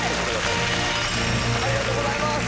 ありがとうございます！